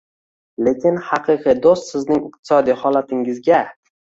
Lekin haqiqiy do‘st sizning iqtisodiy holatingizga